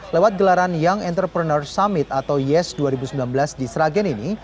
lewat gelaran young entrepreneur summit atau yes dua ribu sembilan belas di sragen ini